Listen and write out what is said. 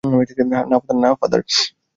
না, ফাদার।